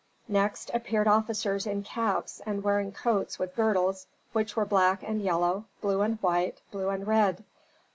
Next appeared officers in caps and wearing coats with girdles which were black and yellow, blue and white, blue and red.